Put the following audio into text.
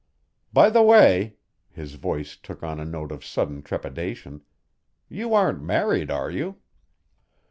By the way," his voice took on a note of sudden trepidation "you aren't married, are you?"